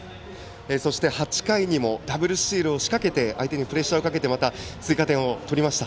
そして８回にもダブルスチールを仕掛けて相手にプレッシャーをかけて追加点を取りました。